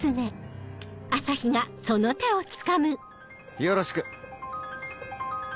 よろしく。